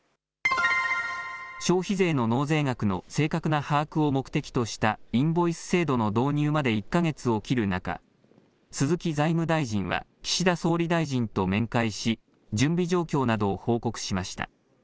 消費税の納税額の正確な把握を目的としたインボイス制度の導入まで１か月を切る中、鈴木財務大臣は、岸田総理大臣と面会し、準備状況などを報告しました。